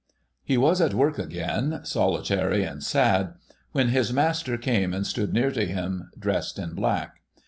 ' He was at work again, solitary and sad, when his Master came and stood near to him dressed in black.